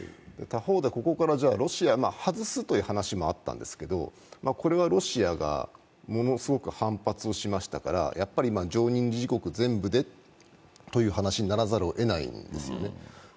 他方で、ここからロシアを外すという話もあったんですけれども、これはロシアがものすごく反発をしましたからやっぱり常任理事国全部でという話にならざるをえないんですよね。